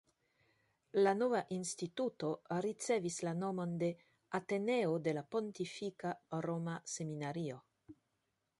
La nova Instituto ricevis la nomon de “Ateneo de la Pontifika Roma Seminario”.